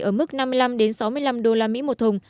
ở mức năm mươi năm sáu mươi năm usd một thùng